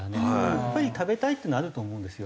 やっぱり食べたいっていうのはあると思うんですよ。